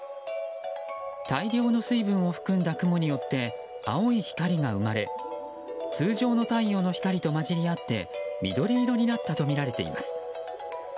大量の水分を含んだ雲によって青い光が生まれ通常の太陽の光と混じり合って緑色になったとみられています。